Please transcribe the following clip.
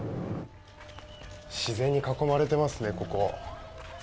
自然に囲まれてますね、ここ。